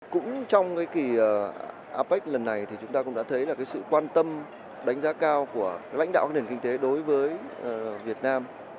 cũng trong cái kỳ apec lần này thì chúng ta cũng đã thấy là cái sự quan tâm đánh giá cao của lãnh đạo nền kinh tế đối với việt nam